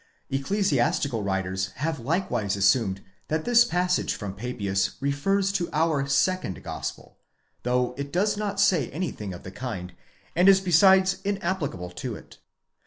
6 Ecclesiastical writers have likewise assumed that this pas sage from Papias refers to our second Gospel, though it does not say any thing of the kind, and is besides inapplicable to it.